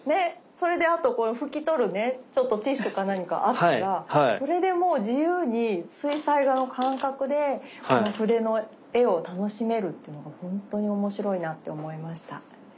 それであとこの拭き取るねちょっとティッシュか何かあったらそれでもう自由に水彩画の感覚でこの筆の絵を楽しめるっていうのが本当に面白いなって思いました。